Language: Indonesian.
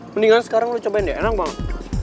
mendingan sekarang lo cobain deh enak banget